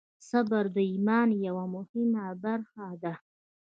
صبر د ایمان یوه مهمه برخه ده.